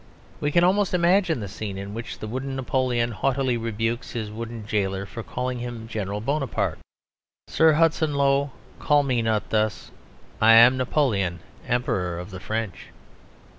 We can almost imagine the scene in which the wooden Napoleon haughtily rebukes his wooden jailor for calling him General Bonaparte "Sir Hudson Low, call me not thus; I am Napoleon, Emperor of the French."